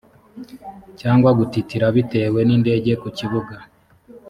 cyangwa gutitira bitewe n indege ku kibuga